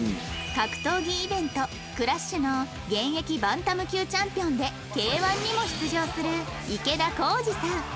格闘技イベント Ｋｒｕｓｈ の現役バンタム級チャンピオンで Ｋ−１ にも出場する池田幸司さん